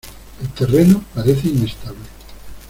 El terreno parece inestable.